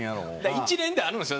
一連であるんですよ。